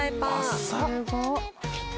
浅っ！